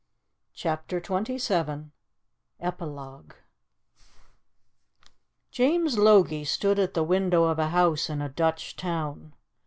CHAPTER XXVII EPILOGUE JAMES LOGIE stood at the window of a house in a Dutch town.